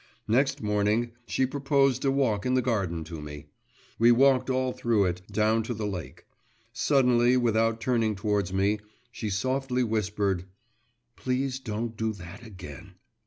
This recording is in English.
Next morning she proposed a walk in the garden to me. We walked all through it, down to the lake. Suddenly without turning towards me, she softly whispered 'Please don't do that again!